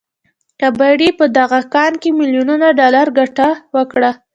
کباړي په دغه کان کې ميليونونه ډالر ګټه وكړه.